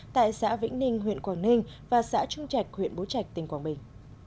tại xã vĩnh ninh huyện quảng ninh và xã trung trạch huyện bố trạch tỉnh quảng bình